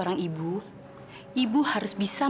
yang kepojarsaan saya